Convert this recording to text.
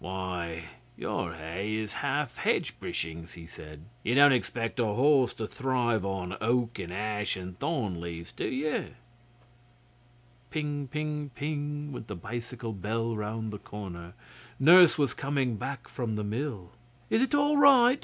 'Why, your hay is half hedge brishings,' he said. 'You don't expect a horse to thrive on oak and ash and thorn leaves, do you?' Ping ping ping went the bicycle bell round the corner. Nurse was coming back from the mill. 'Is it all right?